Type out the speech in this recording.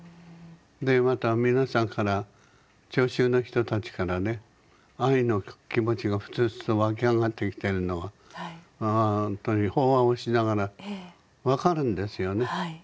でまた皆さんから聴衆の人たちからね愛の気持ちがフツフツと湧き上がってきてるのを本当に法話をしながら分かるんですよね。